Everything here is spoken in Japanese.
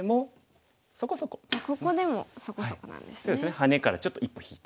ハネからちょっと一歩引いて。